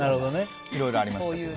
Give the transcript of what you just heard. いろいろありました。